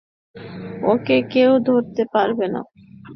ওকে কেউ ধরতে পারবে না।